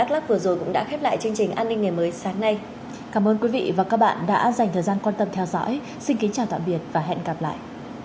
cảm ơn các bạn đã theo dõi và hẹn gặp lại